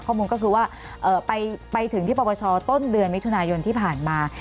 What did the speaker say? ข้อมูลก็คือว่าไปถึงที่ปปชต้นเดือนมิถุนายนที่ผ่านมา